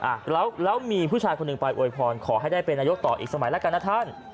อ่ะแล้วมีผู้ชายคนหนึ่งไปอวยพรขอให้ได้เป็นนายกต่ออีกสมัยแล้วกันนะท่าน